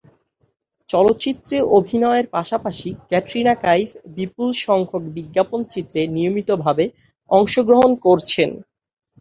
চলচ্চিত্রে অভিনয়ের পাশাপাশি ক্যাটরিনা কাইফ বিপুলসংখ্যক বিজ্ঞাপন চিত্রে নিয়মিতভাবে অংশগ্রহণ করছেন।